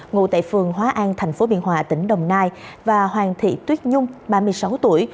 ngụ tại phường hóa an tp biên hòa tỉnh đồng nai và hoàng thị tuyết nhung ba mươi sáu tuổi